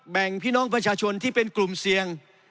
พี่น้องประชาชนที่เป็นกลุ่มเสี่ยง